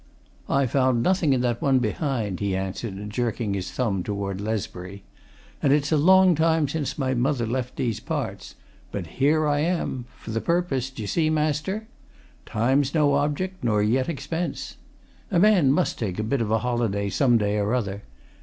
"I found nothing in that one behind," he answered, jerking his thumb towards Lesbury. "And it's a long time since my mother left these parts. But here I am for the purpose, d'ye see, master. Time's no object nor yet expense. A man must take a bit of a holiday some day or other.